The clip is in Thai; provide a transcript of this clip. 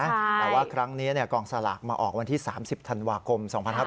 แต่ว่าครั้งนี้กองสลากมาออกวันที่๓๐ธันวาคม๒๕๖๐